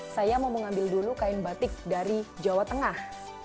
saya mau mengambil dulu kain batik dari jawa tengah